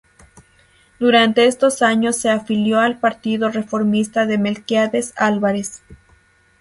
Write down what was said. Durante estos años se afilió al Partido Reformista de Melquíades Álvarez.